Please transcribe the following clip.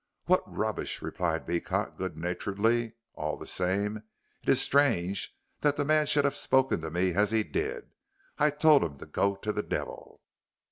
"What rubbish," replied Beecot, good naturedly. "All the same, it is strange the man should have spoken to me as he did. I told him to go to the devil."